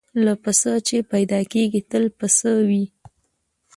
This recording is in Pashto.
له پسه چي پیدا کیږي تل پسه وي